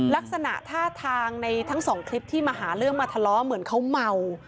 ลักษณะท่าทางในทั้งสองคลิปที่มาหาเรื่องมาทะเลาะเหมือนเขาเมา